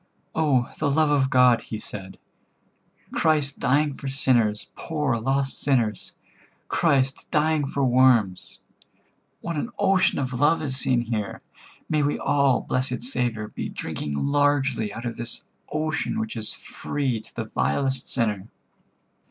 "Oh, the love of God," he said, "Christ dying for sinners, poor lost sinners, Christ dying for worms! What an ocean of love is seen here. May we all, blessed Saviour, be drinking largely out of this ocean which is free to the vilest sinner."